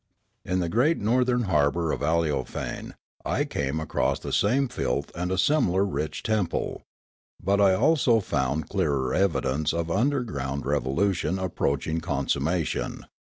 In the great northern harbour of Aleofane I came across the same filth and a similar rich temple ; but I also found clearer evidence of underground revolution approaching consummation.